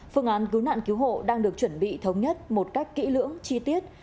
phương án cứu nạn cứu hộ đang được chuẩn bị thống nhất một cách kỹ lưỡng chi tiết